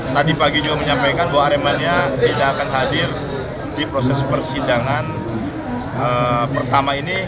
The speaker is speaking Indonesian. tadi pagi juga menyampaikan bahwa aremania tidak akan hadir di proses persidangan pertama ini